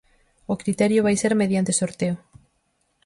O criterio vai ser mediante sorteo.